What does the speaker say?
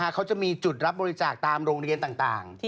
เขาจะมีจุดรับบริจาคตามโรงเรียนต่าง